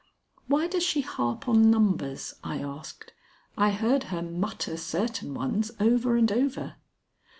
"Why does she harp on numbers?" I asked. "I heard her mutter certain ones over and over."